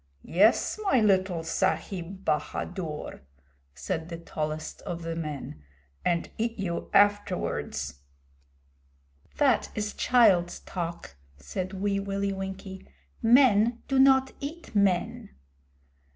'Yes, my little Sahib Bahadur,' said the tallest of the men, 'and eat you afterwards.' 'That is child's talk,' said Wee Willie Winkie. 'Men do not eat men.'